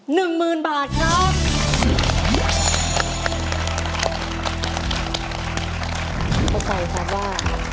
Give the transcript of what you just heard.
๑หมื่นบาทครับ